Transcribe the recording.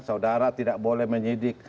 saudara tidak boleh menyidik